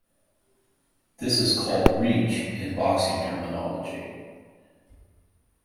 This is called reach in boxing terminology.